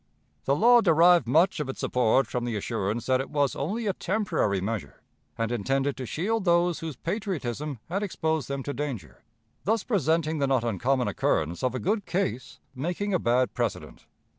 The law derived much of its support from the assurance that it was only a temporary measure, and intended to shield those whose patriotism had exposed them to danger, thus presenting the not uncommon occurrence of a good case making a bad precedent.